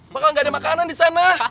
maka gak ada makanan di sana